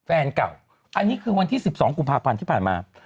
แฟนเก่าอันนี้คือวันที่๑๒กุมภาพันธ์ที่ผ่านมา